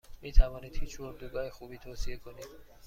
میتوانید هیچ اردوگاه خوبی توصیه کنید؟